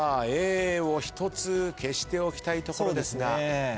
Ａを１つ消しておきたいところですが。